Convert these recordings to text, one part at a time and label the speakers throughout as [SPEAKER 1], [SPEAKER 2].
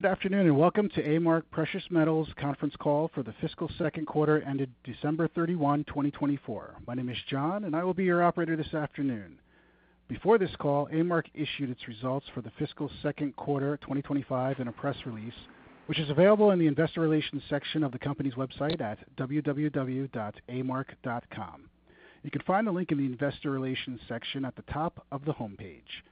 [SPEAKER 1] Good afternoon and welcome to A-Mark Precious Metals' conference call for the fiscal second quarter ended December 31, 2024. My name is John, and I will be your operator this afternoon. Before this call, A-Mark issued its results for the fiscal second quarter 2025 in a press release, which is available in the investor relations section of the company's website at www.A-Mark.com. You can find the link in the investor relations section at the top of the homepage.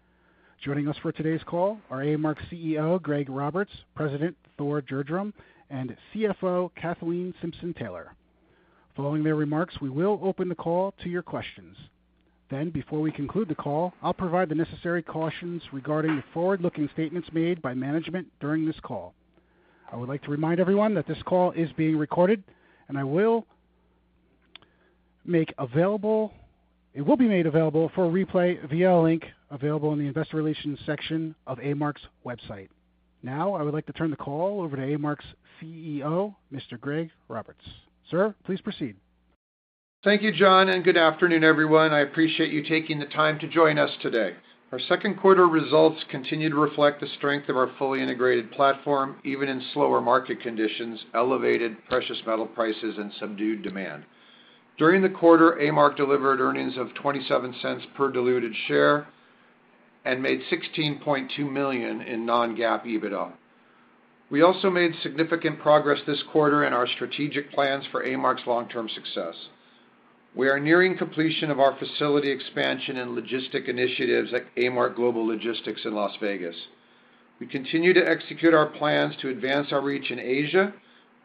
[SPEAKER 1] Joining us for today's call are A-Mark CEO Greg Roberts, President Thor Gjerdrum, and CFO Kathleen Simpson-Taylor. Following their remarks, we will open the call to your questions. Then, before we conclude the call, I'll provide the necessary cautions regarding the forward-looking statements made by management during this call. I would like to remind everyone that this call is being recorded, and it will be made available for replay via a link available in the investor relations section of A-Mark's website. Now, I would like to turn the call over to A-Mark's CEO, Mr. Greg Roberts. Sir, please proceed.
[SPEAKER 2] Thank you, John, and good afternoon, everyone. I appreciate you taking the time to join us today. Our second quarter results continue to reflect the strength of our fully integrated platform, even in slower market conditions, elevated precious metal prices, and subdued demand. During the quarter, A-Mark delivered earnings of $0.27 per diluted share and made $16.2 million in non-GAAP EBITDA. We also made significant progress this quarter in our strategic plans for A-Mark's long-term success. We are nearing completion of our facility expansion and logistics initiatives at A-M Global Logistics in Las Vegas. We continue to execute our plans to advance our reach in Asia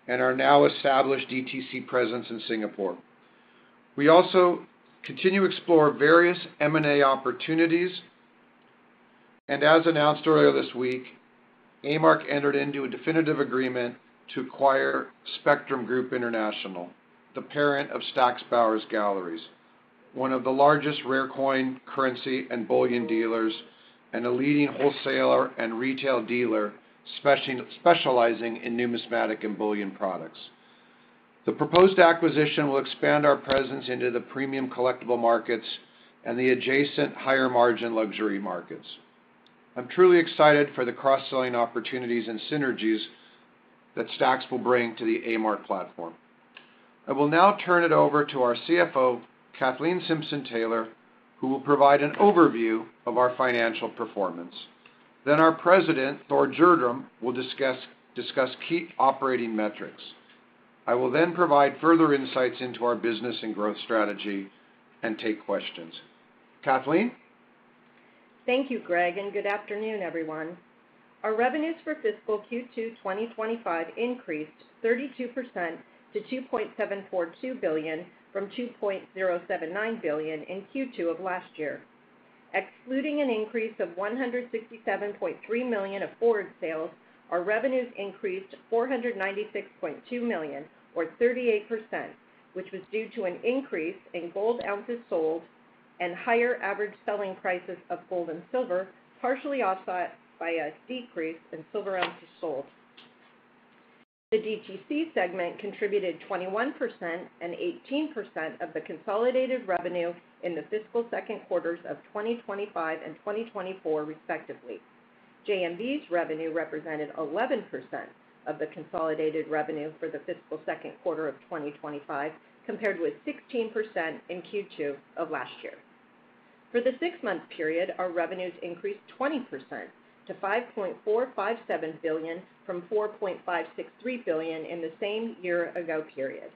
[SPEAKER 2] and our now-established DTC presence in Singapore. We also continue to explore various M&A opportunities, and as announced earlier this week, A-Mark entered into a definitive agreement to acquire Spectrum Group International, the parent of Stack's Bowers Galleries, one of the largest rare coin, currency, and bullion dealers, and a leading wholesaler and retail dealer specializing in numismatic and bullion products. The proposed acquisition will expand our presence into the premium collectible markets and the adjacent higher-margin luxury markets. I'm truly excited for the cross-selling opportunities and synergies that Stack's will bring to the A-Mark platform. I will now turn it over to our CFO, Kathleen Simpson-Taylor, who will provide an overview of our financial performance. Then our President, Thor Gjerdrum, will discuss key operating metrics. I will then provide further insights into our business and growth strategy and take questions. Kathleen?
[SPEAKER 3] Thank you, Greg, and good afternoon, everyone. Our revenues for fiscal Q2 2025 increased 32% to $2.742 billion from $2.079 billion in Q2 of last year. Excluding an increase of $167.3 million of forward sales, our revenues increased $496.2 million, or 38%, which was due to an increase in gold ounces sold and higher average selling prices of gold and silver, partially offset by a decrease in silver ounces sold. The DTC segment contributed 21% and 18% of the consolidated revenue in the fiscal second quarters of 2025 and 2024, respectively. JMB's revenue represented 11% of the consolidated revenue for the fiscal second quarter of 2025, compared with 16% in Q2 of last year. For the six-month period, our revenues increased 20% to $5.457 billion from $4.563 billion in the same year-ago period.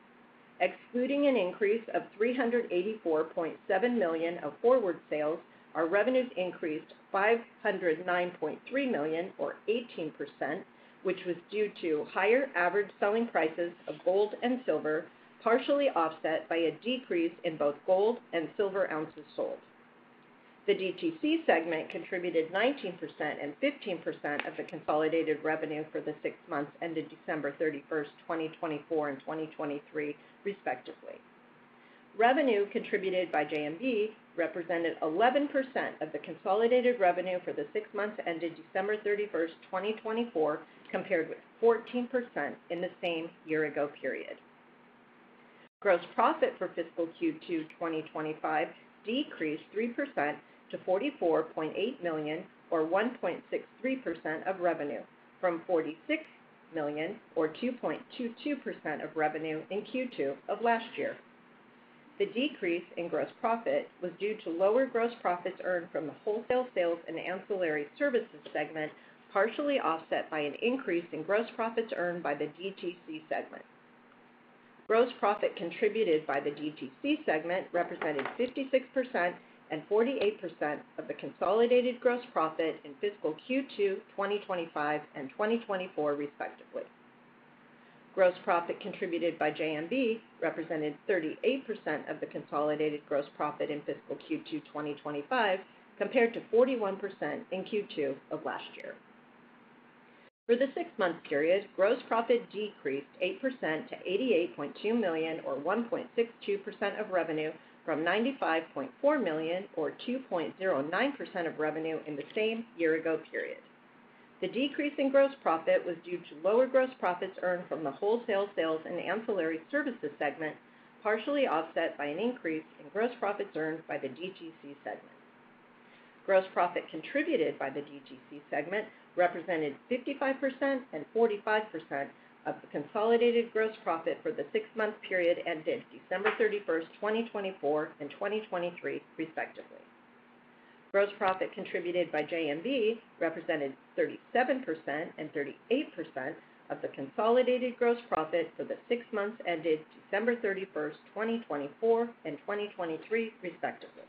[SPEAKER 3] Excluding an increase of $384.7 million of forward sales, our revenues increased $509.3 million, or 18%, which was due to higher average selling prices of gold and silver, partially offset by a decrease in both gold and silver ounces sold. The DTC segment contributed 19% and 15% of the consolidated revenue for the six months ended December 31st, 2024, and 2023, respectively. Revenue contributed by JMB represented 11% of the consolidated revenue for the six months ended December 31st, 2024, compared with 14% in the same year-ago period. Gross profit for fiscal Q2 2025 decreased 3% to $44.8 million, or 1.63% of revenue, from $46.8 million, or 2.22% of revenue in Q2 of last year. The decrease in gross profit was due to lower gross profits earned from the wholesale sales and ancillary services segment, partially offset by an increase in gross profits earned by the DTC segment. Gross profit contributed by the DTC segment represented 56% and 48% of the consolidated gross profit in fiscal Q2 2025 and 2024, respectively. Gross profit contributed by JM Bullion represented 38% of the consolidated gross profit in fiscal Q2 2025, compared to 41% in Q2 of last year. For the six-month period, gross profit decreased 8% to $88.2 million, or 1.62% of revenue, from $95.4 million, or 2.09% of revenue in the same year-ago period. The decrease in gross profit was due to lower gross profits earned from the wholesale sales and ancillary services segment, partially offset by an increase in gross profits earned by the DTC segment. Gross profit contributed by the DTC segment represented 55% and 45% of the consolidated gross profit for the six-month period ended December 31st, 2024, and 2023, respectively. Gross profit contributed by JMB represented 37% and 38% of the consolidated gross profit for the six months ended December 31, 2024, and 2023, respectively.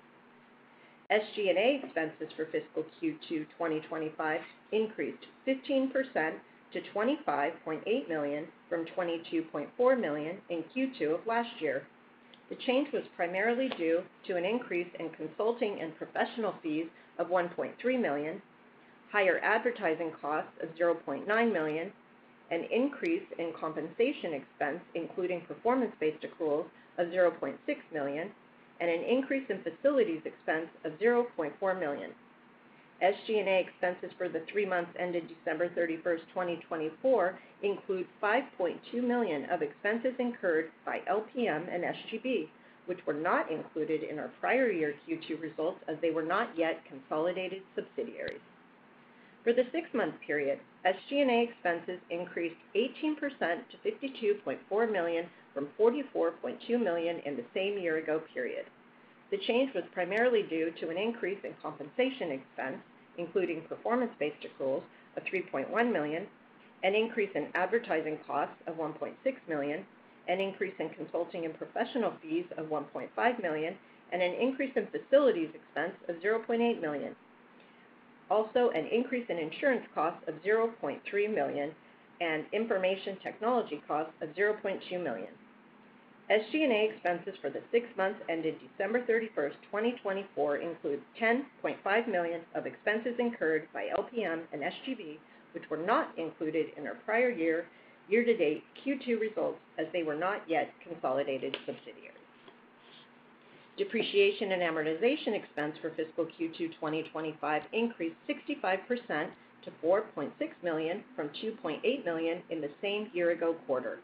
[SPEAKER 3] SG&A expenses for fiscal Q2 2025 increased 15% to $25.8 million from $22.4 million in Q2 of last year. The change was primarily due to an increase in consulting and professional fees of $1.3 million, higher advertising costs of $0.9 million, an increase in compensation expense, including performance-based accruals of $0.6 million, and an increase in facilities expense of $0.4 million. SG&A expenses for the three months ended December 31st, 2024, include $5.2 million of expenses incurred by LPM and SGB, which were not included in our prior year Q2 results as they were not yet consolidated subsidiaries. For the six-month period, SG&A expenses increased 18% to $52.4 million from $44.2 million in the same year-ago period. The change was primarily due to an increase in compensation expense, including performance-based accruals of $3.1 million, an increase in advertising costs of $1.6 million, an increase in consulting and professional fees of $1.5 million, and an increase in facilities expense of $0.8 million. Also, an increase in insurance costs of $0.3 million and information technology costs of $0.2 million. SG&A expenses for the six months ended December 31st, 2024, include $10.5 million of expenses incurred by LPM and SGB, which were not included in our prior year-to-date Q2 results as they were not yet consolidated subsidiaries. Depreciation and amortization expense for fiscal Q2 2025 increased 65% to $4.6 million from $2.8 million in the same year-ago quarter.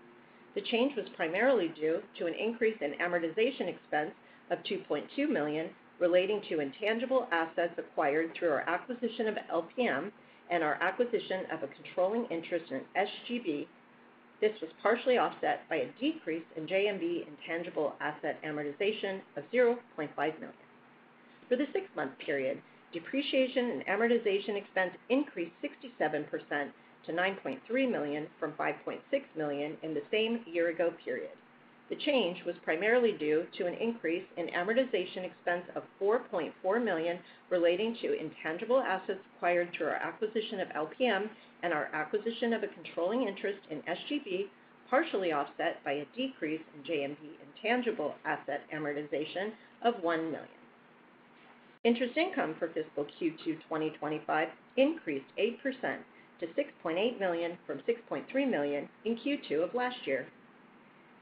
[SPEAKER 3] The change was primarily due to an increase in amortization expense of $2.2 million relating to intangible assets acquired through our acquisition of LPM and our acquisition of a controlling interest in SGB. This was partially offset by a decrease in JMB intangible asset amortization of $0.5 million. For the six-month period, depreciation and amortization expense increased 67% to $9.3 million from $5.6 million in the same year-ago period. The change was primarily due to an increase in amortization expense of $4.4 million relating to intangible assets acquired through our acquisition of LPM and our acquisition of a controlling interest in SGB, partially offset by a decrease in JMB intangible asset amortization of $1 million. Interest income for fiscal Q2 2025 increased 8% to $6.8 million from $6.3 million in Q2 of last year.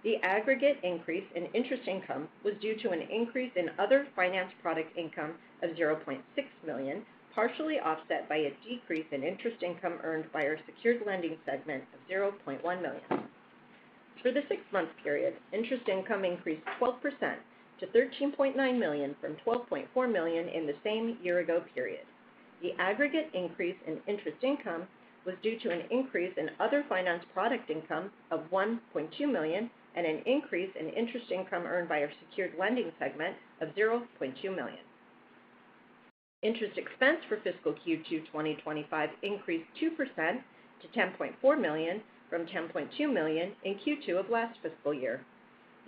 [SPEAKER 3] The aggregate increase in interest income was due to an increase in other finance product income of $0.6 million, partially offset by a decrease in interest income earned by our secured lending segment of $0.1 million. For the six-month period, interest income increased 12% to $13.9 million from $12.4 million in the same year-ago period. The aggregate increase in interest income was due to an increase in other finance product income of $1.2 million and an increase in interest income earned by our secured lending segment of $0.2 million. Interest expense for fiscal Q2 2025 increased 2% to $10.4 million from $10.2 million in Q2 of last fiscal year.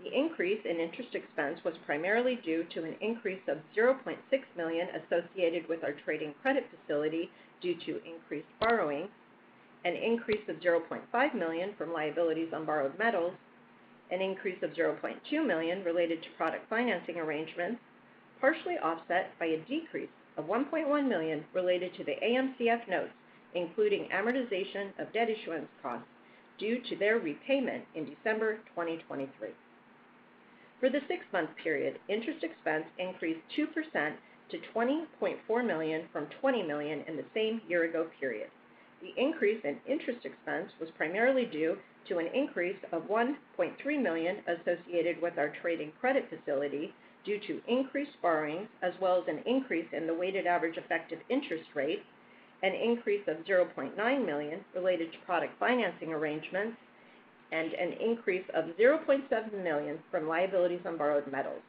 [SPEAKER 3] The increase in interest expense was primarily due to an increase of $0.6 million associated with our trading credit facility due to increased borrowing, an increase of $0.5 million from liabilities on borrowed metals, an increase of $0.2 million related to product financing arrangements, partially offset by a decrease of $1.1 million related to the AMCF notes, including amortization of debt issuance costs due to their repayment in December 2023. For the six-month period, interest expense increased 2% to $20.4 million from $20 million in the same year-ago period. The increase in interest expense was primarily due to an increase of $1.3 million associated with our trading credit facility due to increased borrowings, as well as an increase in the weighted average effective interest rate, an increase of $0.9 million related to product financing arrangements, and an increase of $0.7 million from liabilities on borrowed metals.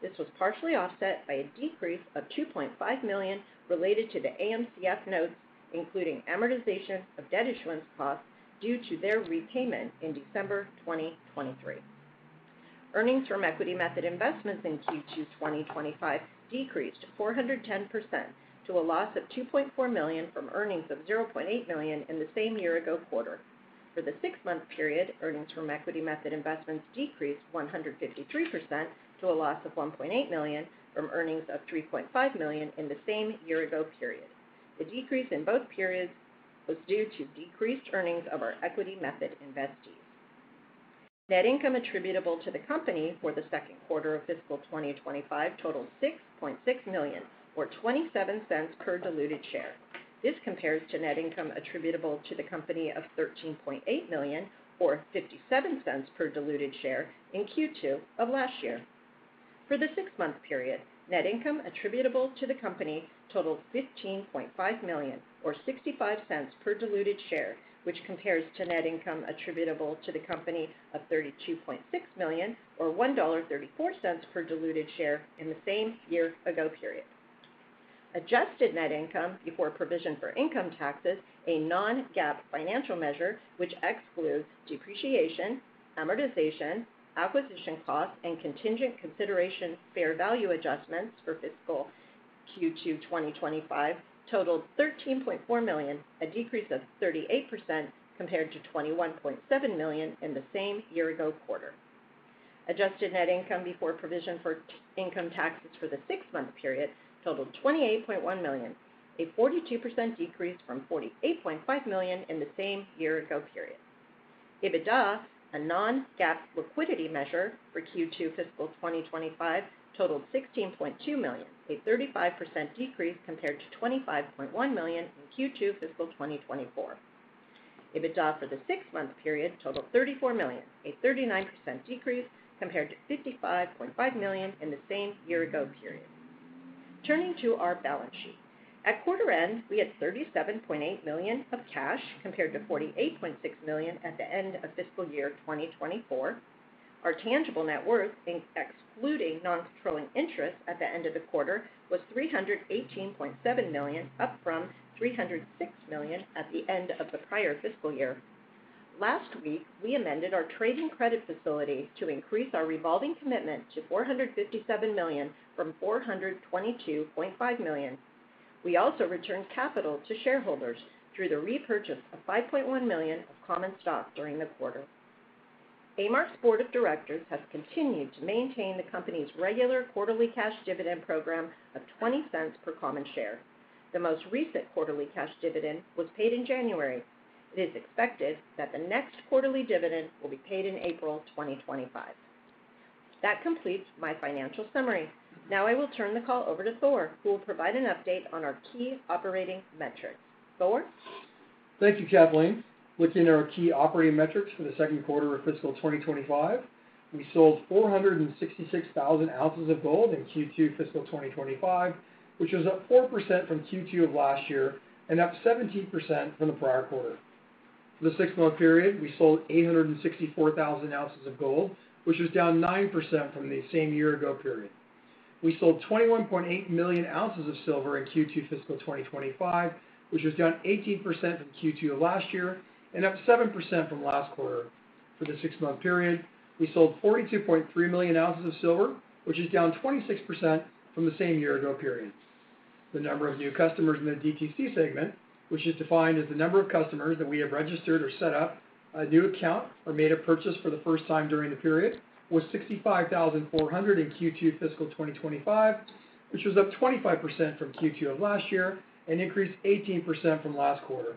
[SPEAKER 3] This was partially offset by a decrease of $2.5 million related to the AMCF notes, including amortization of debt issuance costs due to their repayment in December 2023. Earnings from equity method investments in Q2 2025 decreased 410% to a loss of $2.4 million from earnings of $0.8 million in the same year-ago quarter. For the six-month period, earnings from equity method investments decreased 153% to a loss of $1.8 million from earnings of $3.5 million in the same year-ago period. The decrease in both periods was due to decreased earnings of our equity method investees. Net income attributable to the company for the second quarter of fiscal 2025 totaled $6.6 million, or $0.27 per diluted share. This compares to net income attributable to the company of $13.8 million, or $0.57 per diluted share in Q2 of last year. For the six-month period, net income attributable to the company totaled $15.5 million, or $0.65 per diluted share, which compares to net income attributable to the company of $32.6 million, or $1.34 per diluted share in the same year-ago period. Adjusted net income before provision for income taxes, a non-GAAP financial measure which excludes depreciation, amortization, acquisition costs, and contingent consideration fair value adjustments for fiscal Q2 2025 totaled $13.4 million, a decrease of 38% compared to $21.7 million in the same year-ago quarter. Adjusted net income before provision for income taxes for the six-month period totaled $28.1 million, a 42% decrease from $48.5 million in the same year-ago period. EBITDA, a non-GAAP liquidity measure for Q2 fiscal 2025, totaled $16.2 million, a 35% decrease compared to $25.1 million in Q2 fiscal 2024. EBITDA for the six-month period totaled $34 million, a 39% decrease compared to $55.5 million in the same year-ago period. Turning to our balance sheet, at quarter end, we had $37.8 million of cash compared to $48.6 million at the end of fiscal year 2024. Our tangible net worth, excluding non-controlling interest at the end of the quarter, was $318.7 million, up from $306 million at the end of the prior fiscal year. Last week, we amended our trading credit facility to increase our revolving commitment to $457 million from $422.5 million. We also returned capital to shareholders through the repurchase of $5.1 million of common stock during the quarter. A-Mark's board of directors has continued to maintain the company's regular quarterly cash dividend program of $0.20 per common share. The most recent quarterly cash dividend was paid in January. It is expected that the next quarterly dividend will be paid in April 2025. That completes my financial summary. Now I will turn the call over to Thor, who will provide an update on our key operating metrics. Thor.
[SPEAKER 4] Thank you, Kathleen. Looking at our key operating metrics for the second quarter of fiscal 2025, we sold 466,000 ounces of gold in Q2 fiscal 2025, which was up 4% from Q2 of last year and up 17% from the prior quarter. For the six-month period, we sold 864,000 ounces of gold, which was down 9% from the same year-ago period. We sold 21.8 million ounces of silver in Q2 fiscal 2025, which was down 18% from Q2 of last year and up 7% from last quarter. For the six-month period, we sold 42.3 million ounces of silver, which is down 26% from the same year-ago period. The number of new customers in the DTC segment, which is defined as the number of customers that we have registered or set up a new account or made a purchase for the first time during the period, was 65,400 in Q2 fiscal 2025, which was up 25% from Q2 of last year and increased 18% from last quarter.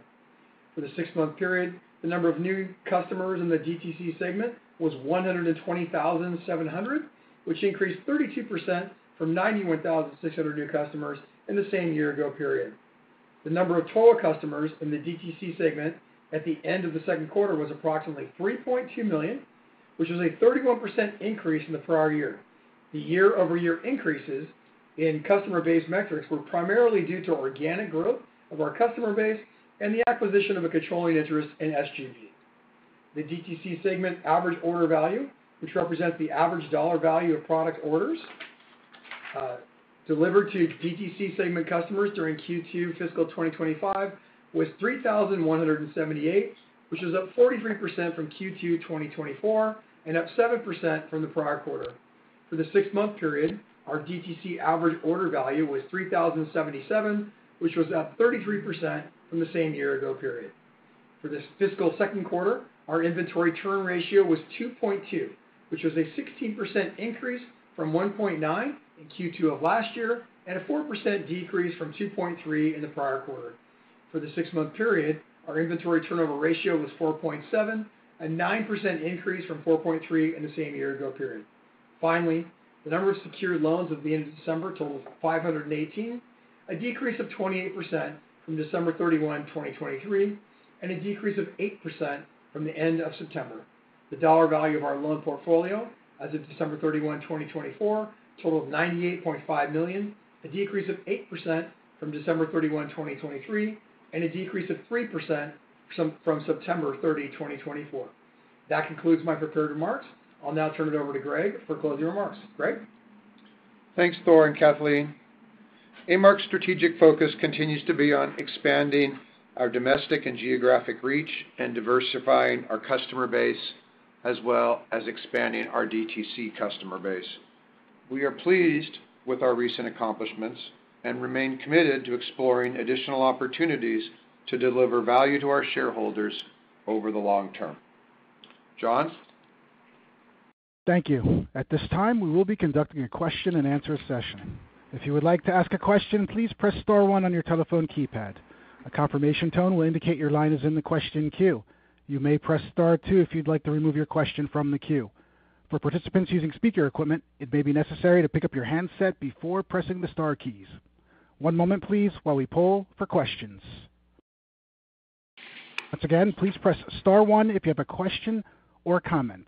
[SPEAKER 4] For the six-month period, the number of new customers in the DTC segment was 120,700, which increased 32% from 91,600 new customers in the same year-ago period. The number of total customers in the DTC segment at the end of the second quarter was approximately 3.2 million, which was a 31% increase in the prior year. The year-over-year increases in customer-based metrics were primarily due to organic growth of our customer base and the acquisition of a controlling interest in SGB. The DTC segment average order value, which represents the average dollar value of product orders delivered to DTC segment customers during Q2 fiscal 2025, was $3,178, which was up 43% from Q2 2024 and up 7% from the prior quarter. For the six-month period, our DTC average order value was $3,077, which was up 33% from the same year-ago period. For the fiscal second quarter, our inventory turn ratio was 2.2, which was a 16% increase from 1.9 in Q2 of last year and a 4% decrease from 2.3 in the prior quarter. For the six-month period, our inventory turnover ratio was 4.7, a 9% increase from 4.3 in the same year-ago period. Finally, the number of secured loans at the end of December totaled 518, a decrease of 28% from December 31, 2023, and a decrease of 8% from the end of September. The dollar value of our loan portfolio as of December 31, 2024, totaled $98.5 million, a decrease of 8% from December 31, 2023, and a decrease of 3% from September 30, 2024. That concludes my prepared remarks. I'll now turn it over to Greg for closing remarks. Greg.
[SPEAKER 2] Thanks, Thor and Kathleen. A-Mark's strategic focus continues to be on expanding our domestic and geographic reach and diversifying our customer base, as well as expanding our DTC customer base. We are pleased with our recent accomplishments and remain committed to exploring additional opportunities to deliver value to our shareholders over the long term. John.
[SPEAKER 1] Thank you. At this time, we will be conducting a question-and-answer session. If you would like to ask a question, please press star one on your telephone keypad. A confirmation tone will indicate your line is in the question queue. You may press star two if you'd like to remove your question from the queue. For participants using speaker equipment, it may be necessary to pick up your handset before pressing the star keys. One moment, please, while we poll for questions. Once again, please press star one if you have a question or comment.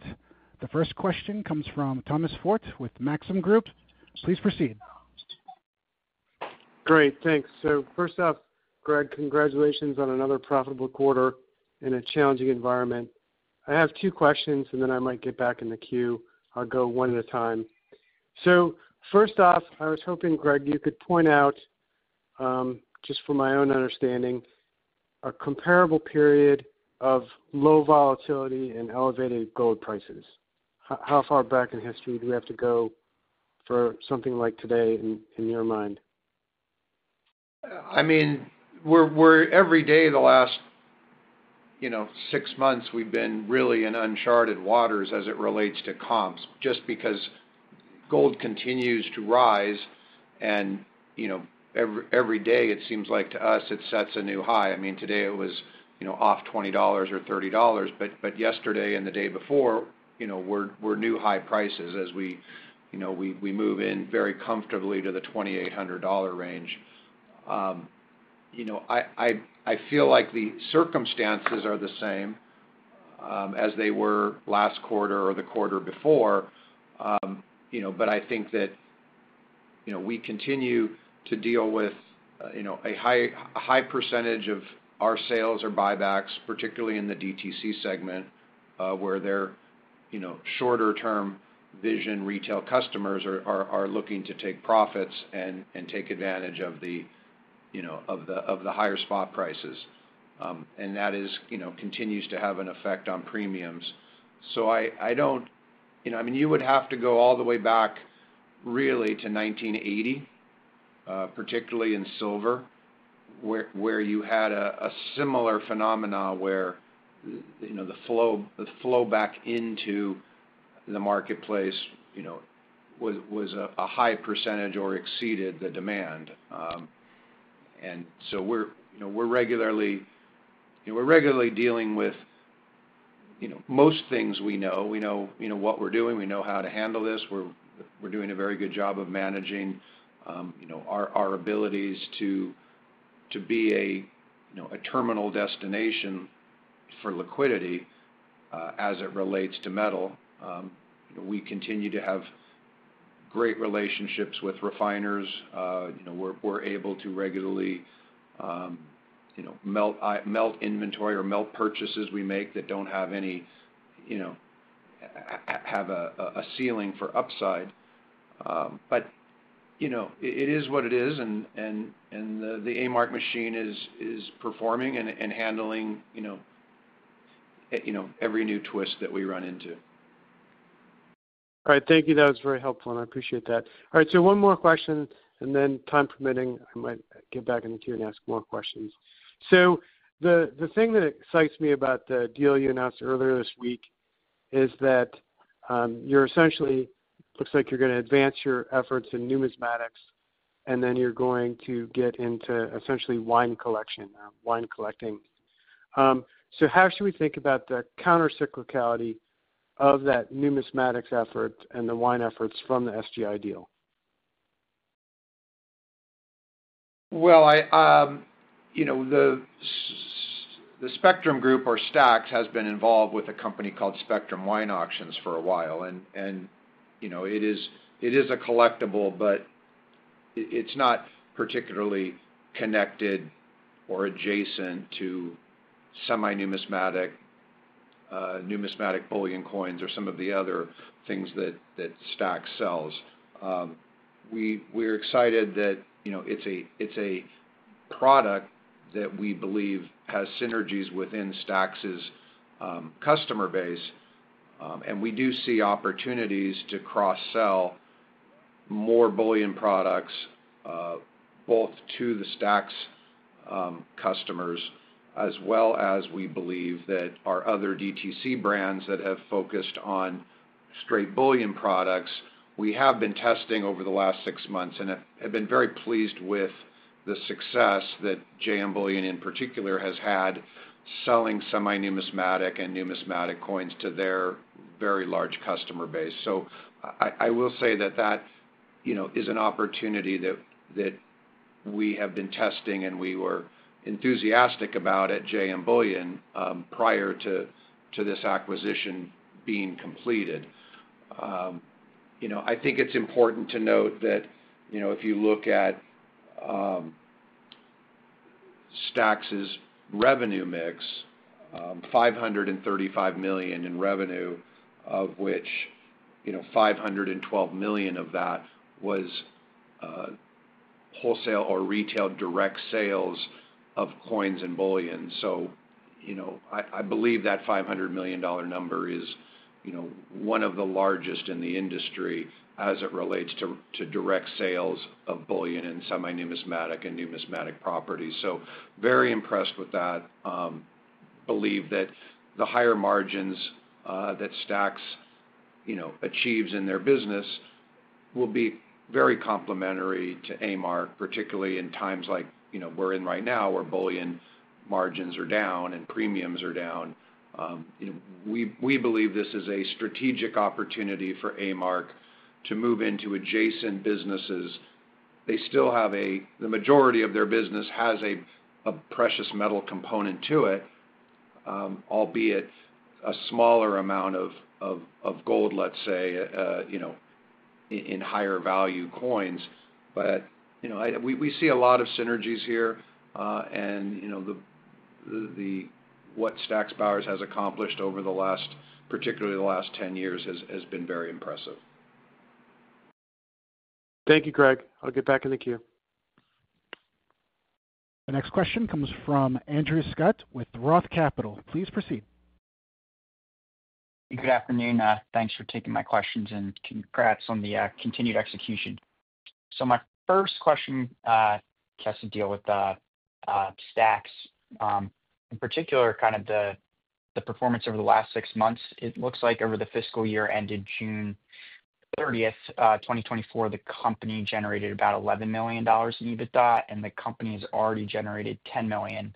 [SPEAKER 1] The first question comes from Thomas Forte with Maxim Group. Please proceed.
[SPEAKER 5] Great. Thanks. So first off, Greg, congratulations on another profitable quarter in a challenging environment. I have two questions, and then I might get back in the queue. I'll go one at a time. So first off, I was hoping, Greg, you could point out, just for my own understanding, a comparable period of low volatility and elevated gold prices. How far back in history do we have to go for something like today in your mind?
[SPEAKER 2] I mean, every day the last six months, we've been really in uncharted waters as it relates to comps, just because gold continues to rise, and every day, it seems like to us, it sets a new high. I mean, today it was off $20 or $30, but yesterday and the day before, we saw new high prices as we move in very comfortably to the $2,800 range. I feel like the circumstances are the same as they were last quarter or the quarter before, but I think that we continue to deal with a high percentage of our sales or buybacks, particularly in the DTC segment, where their shorter-term vision retail customers are looking to take profits and take advantage of the higher spot prices, and that continues to have an effect on premiums. So I don't—I mean, you would have to go all the way back really to 1980, particularly in silver, where you had a similar phenomenon where the flow back into the marketplace was a high percentage or exceeded the demand. And so we're regularly dealing with most things we know. We know what we're doing. We know how to handle this. We're doing a very good job of managing our abilities to be a terminal destination for liquidity as it relates to metal. We continue to have great relationships with refiners. We're able to regularly melt inventory or melt purchases we make that don't have any—have a ceiling for upside. But it is what it is, and the A-Mark machine is performing and handling every new twist that we run into.
[SPEAKER 5] All right. Thank you. That was very helpful, and I appreciate that. All right. One more question, and then time permitting, I might get back in the queue and ask more questions. The thing that excites me about the deal you announced earlier this week is that you're essentially, looks like you're going to advance your efforts in numismatics, and then you're going to get into essentially wine collection, wine collecting. How should we think about the countercyclicality of that numismatics effort and the wine efforts from the SGI deal?
[SPEAKER 2] The Spectrum Group or Stack's has been involved with a company called Spectrum Wine Auctions for a while, and it is a collectible, but it's not particularly connected or adjacent to semi-numismatic bullion coins or some of the other things that Stack's sells. We're excited that it's a product that we believe has synergies within Stack's customer base, and we do see opportunities to cross-sell more bullion products both to the Stack's customers as well as we believe that our other DTC brands that have focused on straight bullion products, we have been testing over the last six months and have been very pleased with the success that JM Bullion in particular has had selling semi-numismatic and numismatic coins to their very large customer base. So I will say that that is an opportunity that we have been testing, and we were enthusiastic about at JM Bullion prior to this acquisition being completed. I think it's important to note that if you look at Stack's revenue mix, $535 million in revenue, of which $512 million of that was wholesale or retail direct sales of coins and bullion. So I believe that $500 million number is one of the largest in the industry as it relates to direct sales of bullion and semi-numismatic and numismatic properties. So very impressed with that. Believe that the higher margins that Stack's achieves in their business will be very complementary to A-Mark, particularly in times like we're in right now where bullion margins are down and premiums are down. We believe this is a strategic opportunity for A-Mark to move into adjacent businesses. They still have a - the majority of their business has a precious metal component to it, albeit a smaller amount of gold, let's say, in higher value coins. But we see a lot of synergies here, and what Stack's Bowers has accomplished over the last, particularly the last 10 years, has been very impressive.
[SPEAKER 5] Thank you, Greg. I'll get back in the queue.
[SPEAKER 1] The next question comes from Andrew Scutt with Roth Capital. Please proceed.
[SPEAKER 6] Good afternoon. Thanks for taking my questions and congrats on the continued execution. So my first question has to deal with Stack's. In particular, kind of the performance over the last six months. It looks like over the fiscal year ended June 30th, 2024, the company generated about $11 million in EBITDA, and the company has already generated $10 million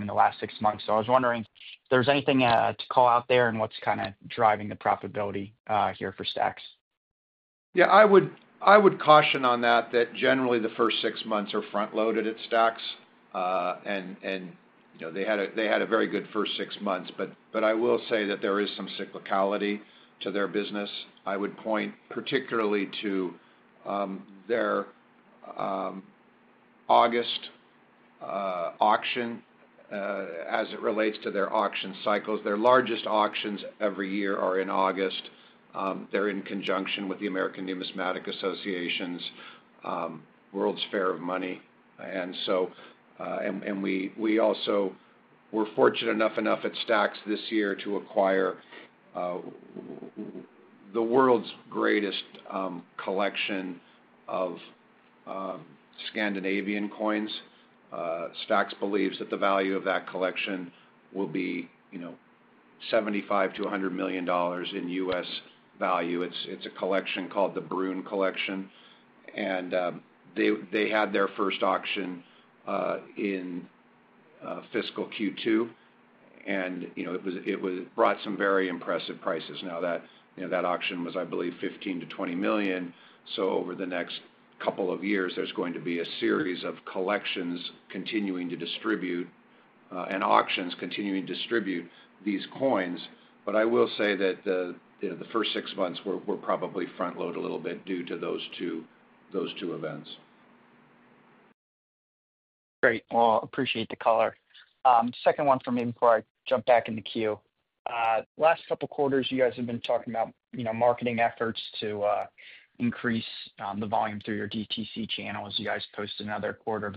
[SPEAKER 6] in the last six months. So I was wondering if there's anything to call out there and what's kind of driving the profitability here for Stack's.
[SPEAKER 2] Yeah. I would caution on that, that generally the first six months are front-loaded at Stack's, and they had a very good first six months. But I will say that there is some cyclicality to their business. I would point particularly to their August auction as it relates to their auction cycles. Their largest auctions every year are in August. They're in conjunction with the American Numismatic Association's World's Fair of Money, and we also were fortunate enough at Stack's this year to acquire the world's greatest collection of Scandinavian coins. Stack's believes that the value of that collection will be $75 million-$100 million in U.S. value. It's a collection called the L. E. Bruun Collection, and they had their first auction in fiscal Q2, and it brought some very impressive prices. Now, that auction was, I believe, $15 million-$20 million. So over the next couple of years, there's going to be a series of collections continuing to distribute and auctions continuing to distribute these coins. But I will say that the first six months were probably front-loaded a little bit due to those two events.
[SPEAKER 6] Great, well, appreciate the color. Second one for me before I jump back in the queue. Last couple of quarters, you guys have been talking about marketing efforts to increase the volume through your DTC channel as you guys post another quarter of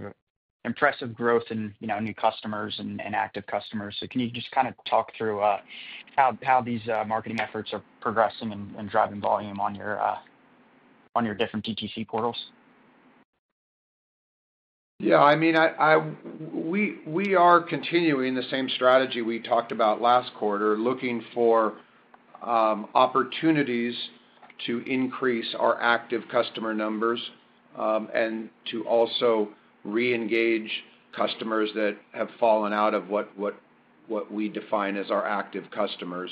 [SPEAKER 6] impressive growth in new customers and active customers. So can you just kind of talk through how these marketing efforts are progressing and driving volume on your different DTC portals?
[SPEAKER 2] Yeah. I mean, we are continuing the same strategy we talked about last quarter, looking for opportunities to increase our active customer numbers and to also re-engage customers that have fallen out of what we define as our active customers.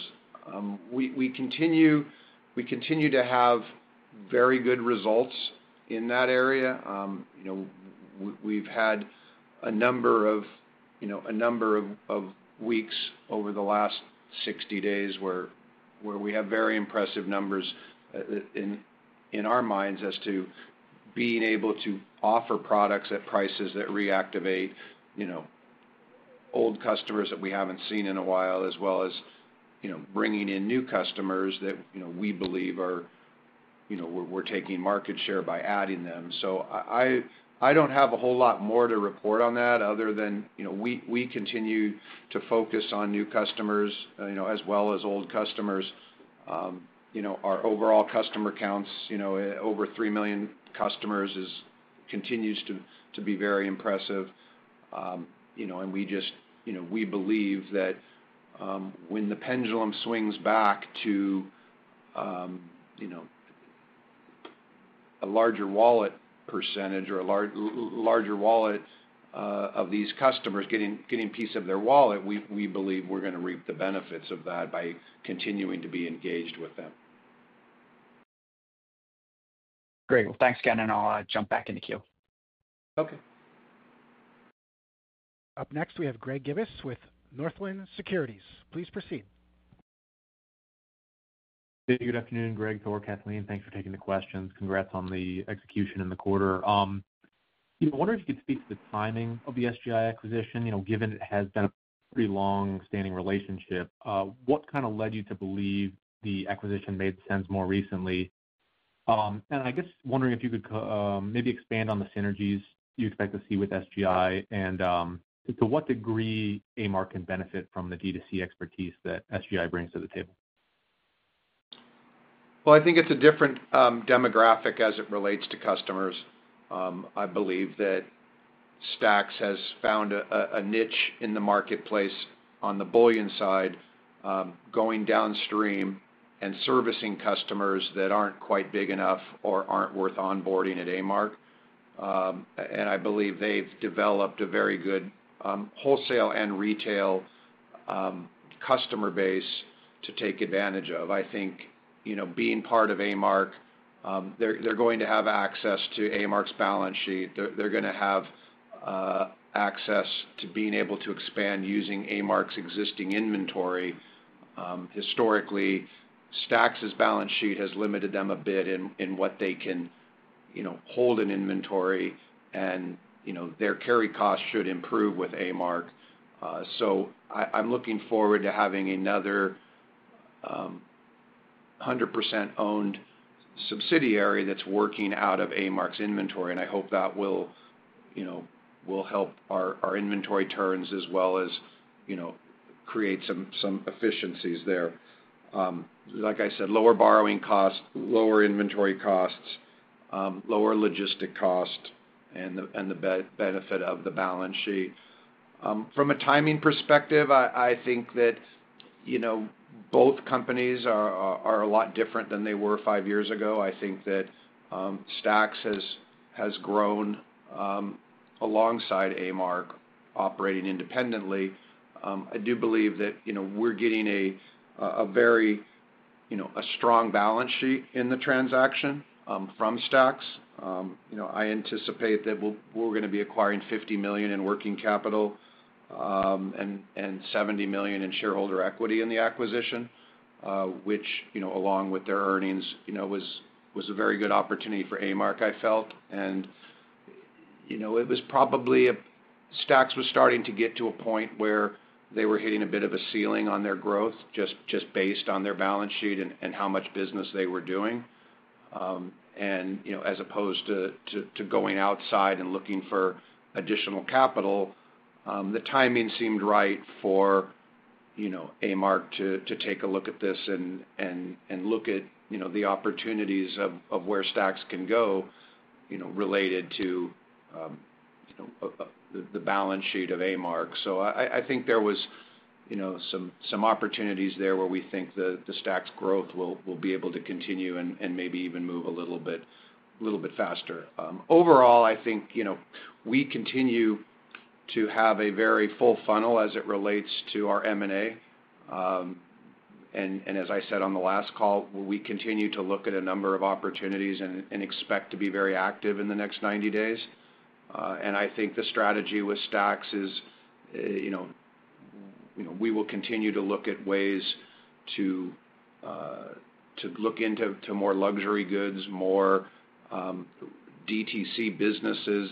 [SPEAKER 2] We continue to have very good results in that area. We've had a number of weeks over the last 60 days where we have very impressive numbers in our minds as to being able to offer products at prices that reactivate old customers that we haven't seen in a while, as well as bringing in new customers that we believe are—we're taking market share by adding them. So I don't have a whole lot more to report on that other than we continue to focus on new customers as well as old customers. Our overall customer counts over 3 million customers continues to be very impressive. And we believe that when the pendulum swings back to a larger wallet percentage or a larger wallet of these customers getting a piece of their wallet, we believe we're going to reap the benefits of that by continuing to be engaged with them.
[SPEAKER 6] Great. Well, thanks again, and I'll jump back in the queue.
[SPEAKER 1] Okay. Up next, we have Greg Gibas with Northland Securities. Please proceed.
[SPEAKER 7] Good afternoon, Greg. Thor, Kathleen, thanks for taking the questions. Congrats on the execution in the quarter. I wonder if you could speak to the timing of the SGI acquisition, given it has been a pretty long-standing relationship. What kind of led you to believe the acquisition made sense more recently? And I guess wondering if you could maybe expand on the synergies you expect to see with SGI and to what degree A-Mark can benefit from the DTC expertise that SGI brings to the table.
[SPEAKER 2] Well, I think it's a different demographic as it relates to customers. I believe that Stack's has found a niche in the marketplace on the bullion side, going downstream and servicing customers that aren't quite big enough or aren't worth onboarding at A-Mark. And I believe they've developed a very good wholesale and retail customer base to take advantage of. I think being part of A-Mark, they're going to have access to A-Mark's balance sheet. They're going to have access to being able to expand using A-Mark's existing inventory. Historically, Stack's balance sheet has limited them a bit in what they can hold in inventory, and their carry cost should improve with A-Mark. So I'm looking forward to having another 100% owned subsidiary that's working out of A-Mark's inventory, and I hope that will help our inventory turns as well as create some efficiencies there. Like I said, lower borrowing costs, lower inventory costs, lower logistics costs, and the benefit of the balance sheet. From a timing perspective, I think that both companies are a lot different than they were five years ago. I think that Stack's has grown alongside A-Mark operating independently. I do believe that we're getting a very strong balance sheet in the transaction from Stack's. I anticipate that we're going to be acquiring $50 million in working capital and $70 million in shareholder equity in the acquisition, which, along with their earnings, was a very good opportunity for A-Mark, I felt. And it was probably Stack's was starting to get to a point where they were hitting a bit of a ceiling on their growth just based on their balance sheet and how much business they were doing. And as opposed to going outside and looking for additional capital, the timing seemed right for A-Mark to take a look at this and look at the opportunities of where Stack's can go related to the balance sheet of A-Mark. So I think there was some opportunities there where we think the Stack's growth will be able to continue and maybe even move a little bit faster. Overall, I think we continue to have a very full funnel as it relates to our M&A. And as I said on the last call, we continue to look at a number of opportunities and expect to be very active in the next 90 days. And I think the strategy with Stack's is we will continue to look at ways to look into more luxury goods, more DTC businesses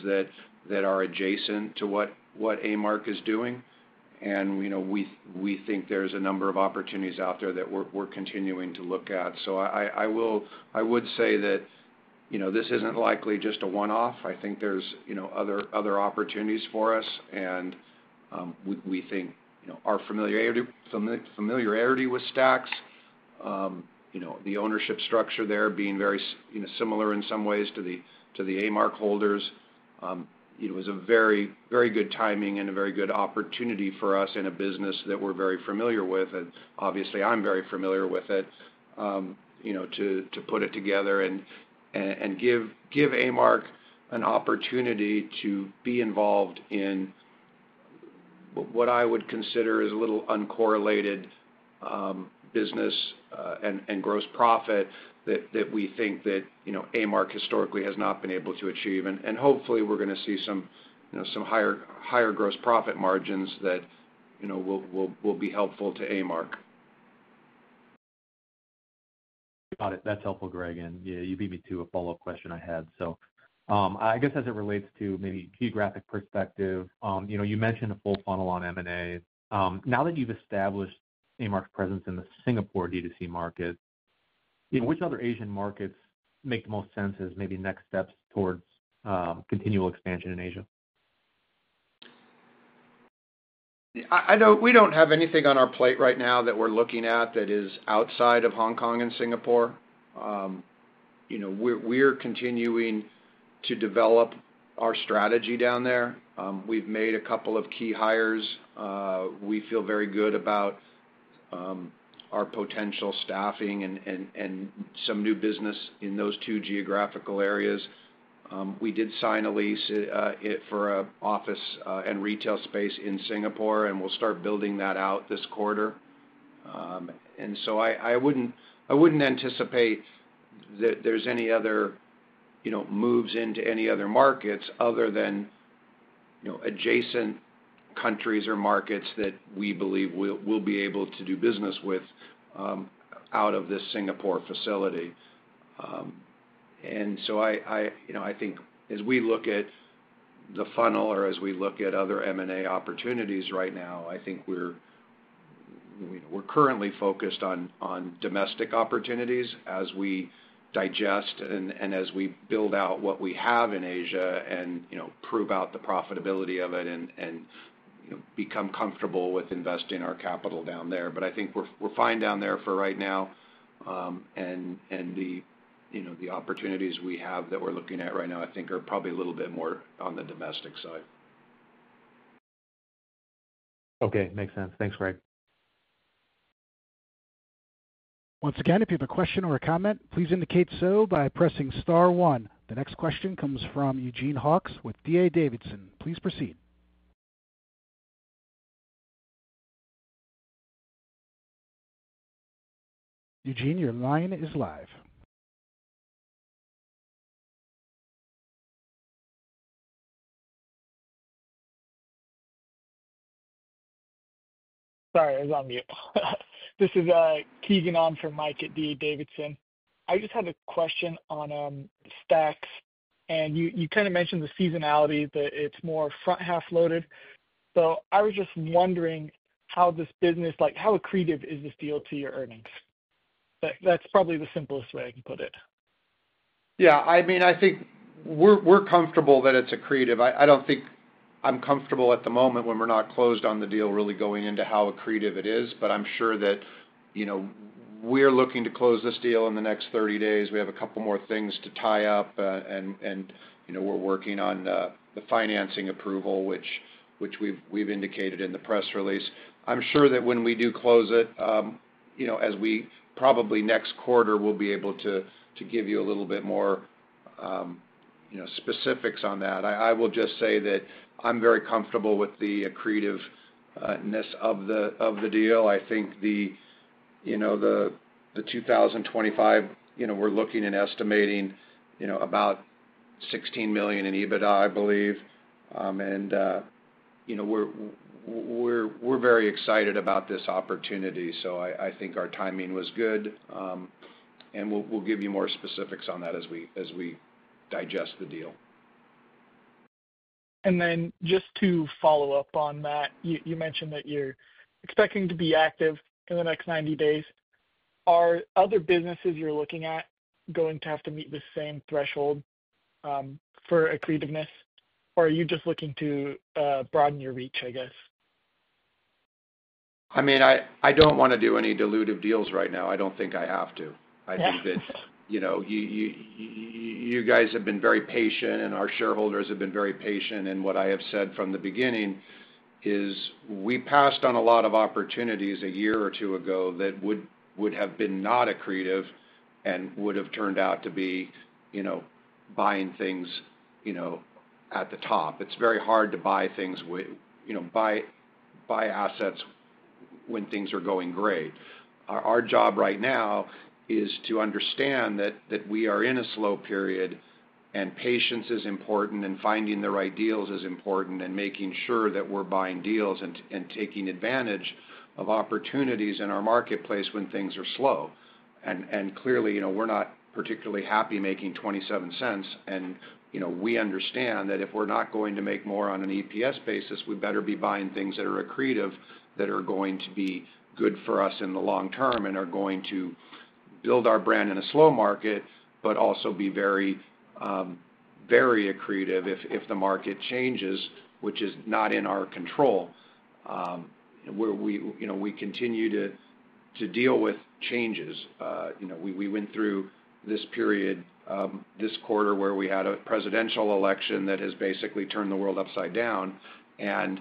[SPEAKER 2] that are adjacent to what A-Mark is doing. And we think there's a number of opportunities out there that we're continuing to look at. So I would say that this isn't likely just a one-off. I think there's other opportunities for us, and we think our familiarity with Stacks, the ownership structure there being very similar in some ways to the A-Mark holders, it was a very good timing and a very good opportunity for us in a business that we're very familiar with. And obviously, I'm very familiar with it to put it together and give A-Mark an opportunity to be involved in what I would consider is a little uncorrelated business and gross profit that we think that A-Mark historically has not been able to achieve. And hopefully, we're going to see some higher gross profit margins that will be helpful to A-Mark.
[SPEAKER 7] Got it. That's helpful, Greg. And you beat me to a follow-up question I had. So I guess as it relates to maybe geographic perspective, you mentioned a full funnel on M&A. Now that you've established A-Mark's presence in the Singapore DTC market, which other Asian markets make the most sense as maybe next steps towards continual expansion in Asia?
[SPEAKER 2] We don't have anything on our plate right now that we're looking at that is outside of Hong Kong and Singapore. We're continuing to develop our strategy down there. We've made a couple of key hires. We feel very good about our potential staffing and some new business in those two geographical areas. We did sign a lease for an office and retail space in Singapore, and we'll start building that out this quarter. And so I wouldn't anticipate that there's any other moves into any other markets other than adjacent countries or markets that we believe we'll be able to do business with out of this Singapore facility. And so I think as we look at the funnel or as we look at other M&A opportunities right now, I think we're currently focused on domestic opportunities as we digest and as we build out what we have in Asia and prove out the profitability of it and become comfortable with investing our capital down there. But I think we're fine down there for right now. And the opportunities we have that we're looking at right now, I think, are probably a little bit more on the domestic side.
[SPEAKER 7] Okay. Makes sense. Thanks, Greg.
[SPEAKER 1] Once again, if you have a question or a comment, please indicate so by pressing star one. The next question comes from Eugene Katz with D.A. Davidson. Please proceed. Eugene, your line is live. Sorry, I was on mute. This is Keegan on from Mike at D.A. Davidson. I just had a question on Stack's, and you kind of mentioned the seasonality, that it's more front-half loaded. So I was just wondering how this business, how accretive is this deal to your earnings? That's probably the simplest way I can put it.
[SPEAKER 2] Yeah. I mean, I think we're comfortable that it's accretive. I don't think I'm comfortable at the moment when we're not closed on the deal really going into how accretive it is. But I'm sure that we're looking to close this deal in the next 30 days. We have a couple more things to tie up, and we're working on the financing approval, which we've indicated in the press release. I'm sure that when we do close it, as we probably next quarter, we'll be able to give you a little bit more specifics on that. I will just say that I'm very comfortable with the accretiveness of the deal. I think the 2025, we're looking and estimating about 16 million in EBITDA, I believe. And we're very excited about this opportunity. So I think our timing was good, and we'll give you more specifics on that as we digest the deal. And then just to follow up on that, you mentioned that you're expecting to be active in the next 90 days. Are other businesses you're looking at going to have to meet the same threshold for accretiveness, or are you just looking to broaden your reach, I guess? I mean, I don't want to do any diluted deals right now. I don't think I have to. I think that you guys have been very patient, and our shareholders have been very patient, and what I have said from the beginning is we passed on a lot of opportunities a year or two ago that would have been not accretive and would have turned out to be buying things at the top. It's very hard to buy things, buy assets when things are going great. Our job right now is to understand that we are in a slow period, and patience is important, and finding the right deals is important, and making sure that we're buying deals and taking advantage of opportunities in our marketplace when things are slow, and clearly, we're not particularly happy making $0.27. And we understand that if we're not going to make more on an EPS basis, we better be buying things that are accretive, that are going to be good for us in the long term and are going to build our brand in a slow market, but also be very accretive if the market changes, which is not in our control. We continue to deal with changes. We went through this period, this quarter, where we had a presidential election that has basically turned the world upside down. And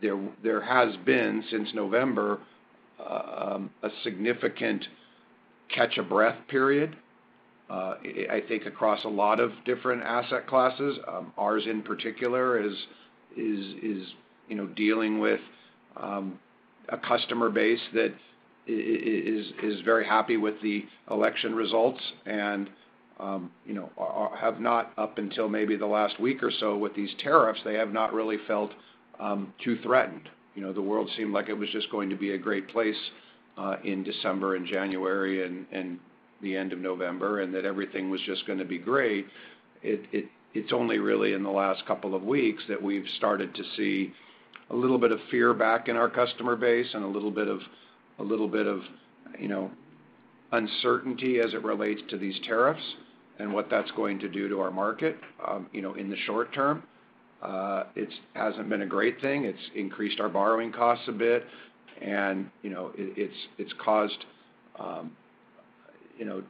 [SPEAKER 2] there has been, since November, a significant catch-your-breath period, I think, across a lot of different asset classes. Ours, in particular, is dealing with a customer base that is very happy with the election results and have not, up until maybe the last week or so with these tariffs, they have not really felt too threatened. The world seemed like it was just going to be a great place in December and January and the end of November and that everything was just going to be great. It's only really in the last couple of weeks that we've started to see a little bit of fear back in our customer base and a little bit of uncertainty as it relates to these tariffs and what that's going to do to our market in the short term. It hasn't been a great thing. It's increased our borrowing costs a bit, and it's caused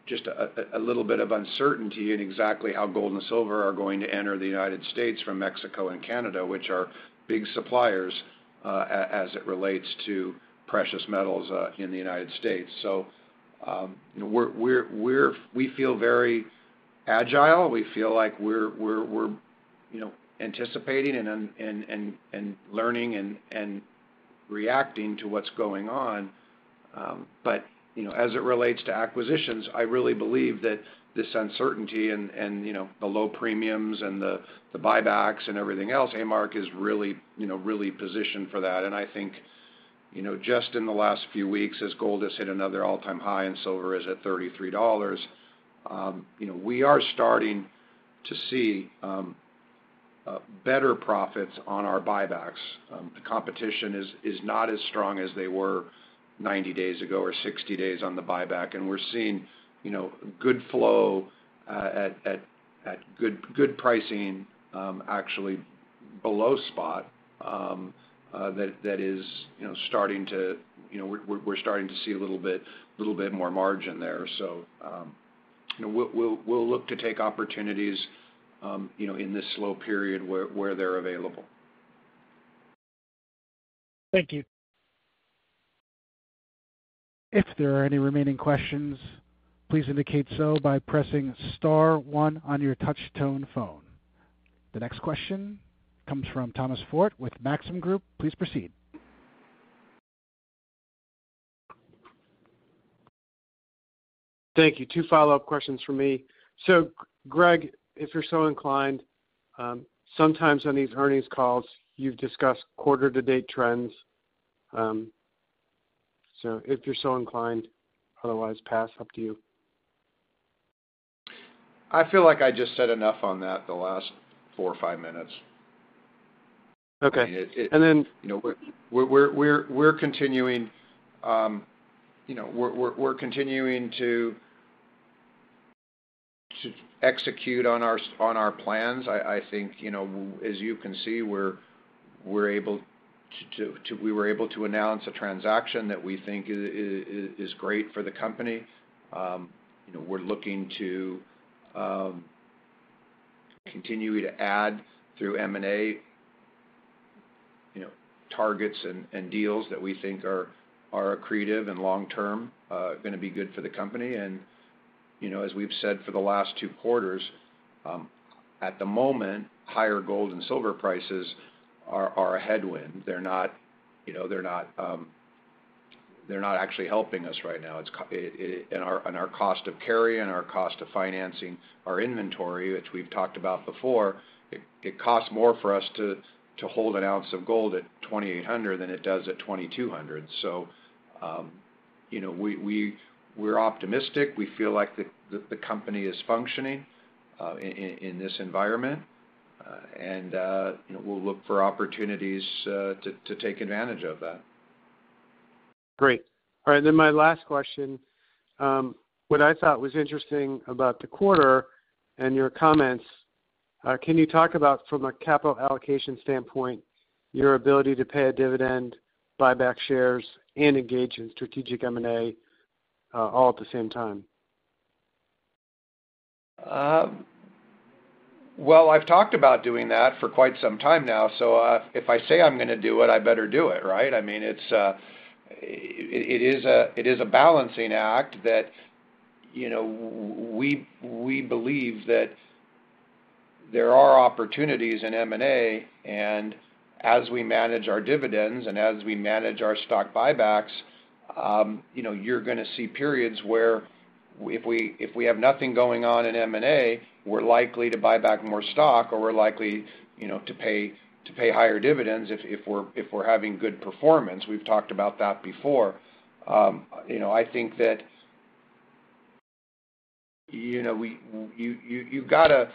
[SPEAKER 2] just a little bit of uncertainty in exactly how gold and silver are going to enter the United States from Mexico and Canada, which are big suppliers as it relates to precious metals in the United States. So we feel very agile. We feel like we're anticipating and learning and reacting to what's going on. But as it relates to acquisitions, I really believe that this uncertainty and the low premiums and the buybacks and everything else, A-Mark is really positioned for that. And I think just in the last few weeks, as gold has hit another all-time high and silver is at $33, we are starting to see better profits on our buybacks. The competition is not as strong as they were 90 days ago or 60 days on the buyback. And we're seeing good flow at good pricing, actually below spot, we're starting to see a little bit more margin there. So we'll look to take opportunities in this slow period where they're available. Thank you.
[SPEAKER 1] If there are any remaining questions, please indicate so by pressing star one on your touchtone phone. The next question comes from Thomas Forte with Maxim Group. Please proceed.
[SPEAKER 5] Thank you. Two follow-up questions for me. So Greg, if you're so inclined, sometimes on these earnings calls, you've discussed quarter-to-date trends. So if you're so inclined, otherwise, pass up to you.
[SPEAKER 2] I feel like I just said enough on that in the last four or five minutes. We're continuing to execute on our plans. I think, as you can see, we were able to announce a transaction that we think is great for the company. We're looking to continue to add through M&A targets and deals that we think are accretive and long-term going to be good for the company. As we've said for the last two quarters, at the moment, higher gold and silver prices are a headwind. They're not actually helping us right now. Our cost of carry and our cost of financing our inventory, which we've talked about before, it costs more for us to hold an ounce of gold at $2,800 than it does at $2,200. We're optimistic. We feel like the company is functioning in this environment, and we'll look for opportunities to take advantage of that.
[SPEAKER 5] Great. All right. My last question. What I thought was interesting about the quarter and your comments, can you talk about, from a capital allocation standpoint, your ability to pay a dividend, buyback shares, and engage in strategic M&A all at the same time?
[SPEAKER 2] I've talked about doing that for quite some time now. If I say I'm going to do it, I better do it, right? I mean, it is a balancing act that we believe that there are opportunities in M&A. As we manage our dividends and as we manage our stock buybacks, you're going to see periods where if we have nothing going on in M&A, we're likely to buy back more stock or we're likely to pay higher dividends if we're having good performance. We've talked about that before. I think that you've got to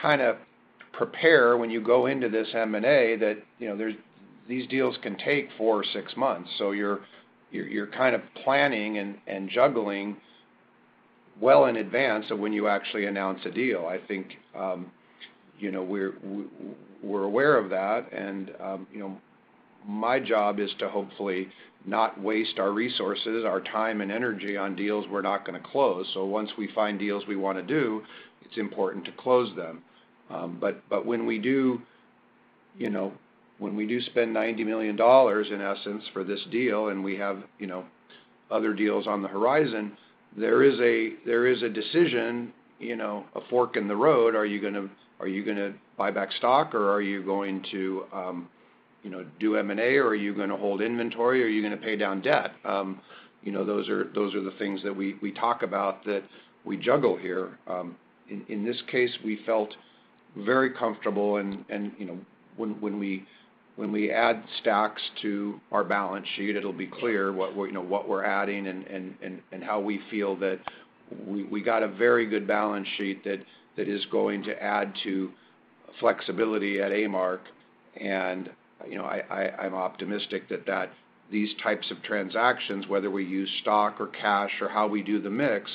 [SPEAKER 2] kind of prepare when you go into this M&A that these deals can take four or six months. You're kind of planning and juggling well in advance of when you actually announce a deal. I think we're aware of that. My job is to hopefully not waste our resources, our time, and energy on deals we're not going to close. Once we find deals we want to do, it's important to close them. But when we do, when we do spend $90 million, in essence, for this deal, and we have other deals on the horizon, there is a decision, a fork in the road. Are you going to buy back stock, or are you going to do M&A, or are you going to hold inventory, or are you going to pay down debt? Those are the things that we talk about that we juggle here. In this case, we felt very comfortable. And when we add Stack's to our balance sheet, it'll be clear what we're adding and how we feel that we got a very good balance sheet that is going to add to flexibility at A-Mark. I'm optimistic that these types of transactions, whether we use stock or cash or how we do the mix,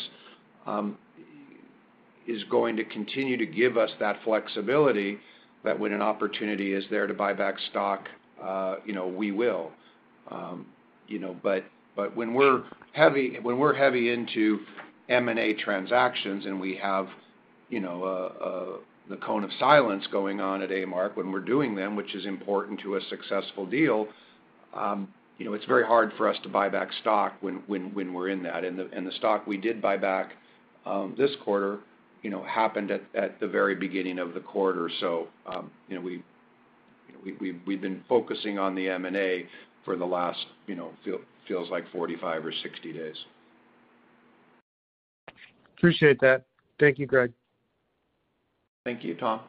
[SPEAKER 2] is going to continue to give us that flexibility that when an opportunity is there to buy back stock, we will. But when we're heavy into M&A transactions and we have the cone of silence going on at A-Mark when we're doing them, which is important to a successful deal, it's very hard for us to buy back stock when we're in that. And the stock we did buy back this quarter happened at the very beginning of the quarter. So we've been focusing on the M&A for the last, feels like, 45 or 60 days.
[SPEAKER 5] Appreciate that. Thank you, Greg.
[SPEAKER 2] Thank you, Tom.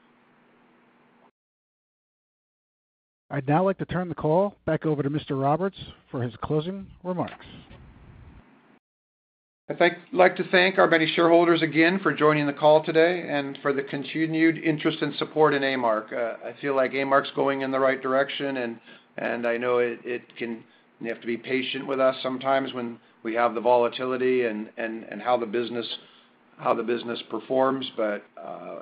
[SPEAKER 1] I'd now like to turn the call back over to Mr. Roberts for his closing remarks.
[SPEAKER 2] I'd like to thank our many shareholders again for joining the call today and for the continued interest and support in A-Mark. I feel like A-Mark's going in the right direction, and I know it can have to be patient with us sometimes when we have the volatility and how the business performs. But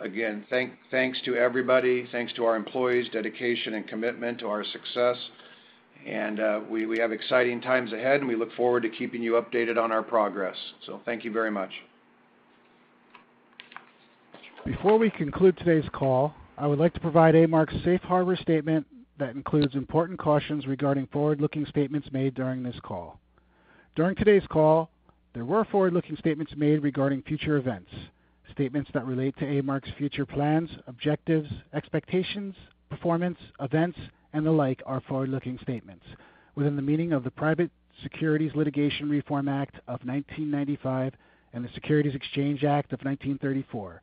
[SPEAKER 2] again, thanks to everybody, thanks to our employees, dedication, and commitment to our success. And we have exciting times ahead, and we look forward to keeping you updated on our progress. So thank you very much.
[SPEAKER 1] Before we conclude today's call, I would like to provide A-Mark's safe harbor statement that includes important cautions regarding forward-looking statements made during this call. During today's call, there were forward-looking statements made regarding future events. Statements that relate to A-Mark's future plans, objectives, expectations, performance, events, and the like are forward-looking statements within the meaning of the Private Securities Litigation Reform Act of 1995 and the Securities Exchange Act of 1934.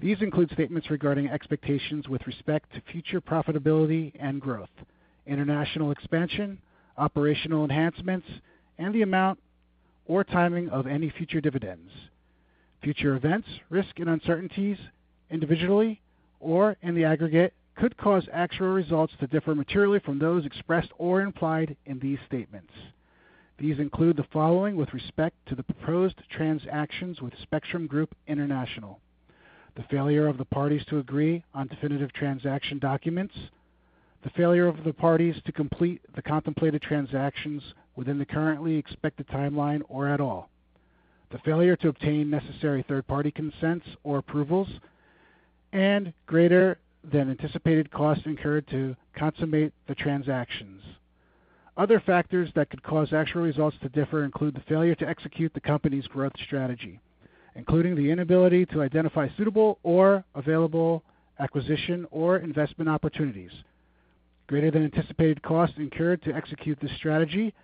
[SPEAKER 1] These include statements regarding expectations with respect to future profitability and growth, international expansion, operational enhancements, and the amount or timing of any future dividends. Future events, risk, and uncertainties, individually or in the aggregate, could cause actual results to differ materially from those expressed or implied in these statements. These include the following with respect to the proposed transactions with Spectrum Group International: the failure of the parties to agree on definitive transaction documents, the failure of the parties to complete the contemplated transactions within the currently expected timeline or at all, the failure to obtain necessary third-party consents or approvals, and greater than anticipated costs incurred to consummate the transactions. Other factors that could cause actual results to differ include the failure to execute the company's growth strategy, including the inability to identify suitable or available acquisition or investment opportunities, greater than anticipated costs incurred to execute the strategy,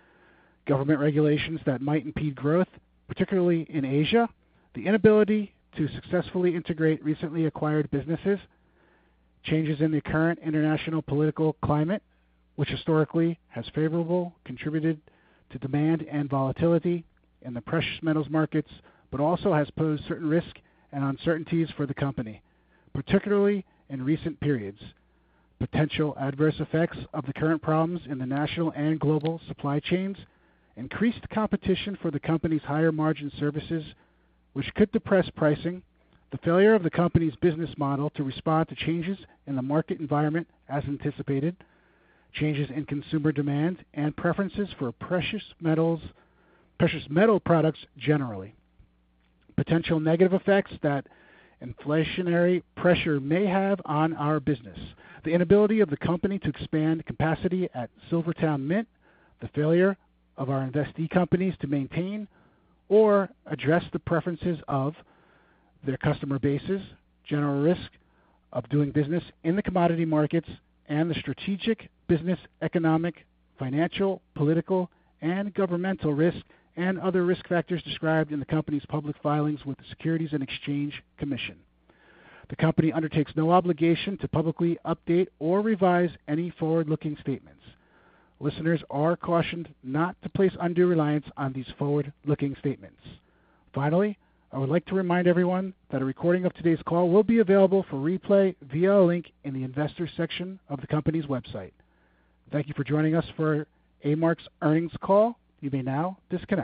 [SPEAKER 1] government regulations that might impede growth, particularly in Asia, the inability to successfully integrate recently acquired businesses, changes in the current international political climate, which historically has favorably contributed to demand and volatility in the precious metals markets, but also has posed certain risks and uncertainties for the company, particularly in recent periods. Potential adverse effects of the current problems in the national and global supply chains, increased competition for the company's higher-margin services, which could depress pricing, the failure of the company's business model to respond to changes in the market environment as anticipated, changes in consumer demand and preferences for precious metal products generally, potential negative effects that inflationary pressure may have on our business, the inability of the company to expand capacity at SilverTowne Mint, the failure of our investee companies to maintain or address the preferences of their customer bases, general risk of doing business in the commodity markets, and the strategic business, economic, financial, political, and governmental risk, and other risk factors described in the company's public filings with the Securities and Exchange Commission. The company undertakes no obligation to publicly update or revise any forward-looking statements. Listeners are cautioned not to place undue reliance on these forward-looking statements. Finally, I would like to remind everyone that a recording of today's call will be available for replay via a link in the investor section of the company's website. Thank you for joining us for A-Mark's earnings call. You may now disconnect.